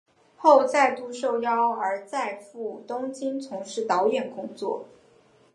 后再度受邀而再赴东京从事导演工作。